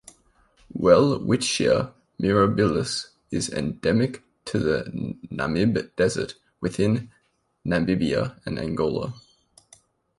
"Welwitschia mirabilis" is endemic to the Namib desert within Namibia and Angola.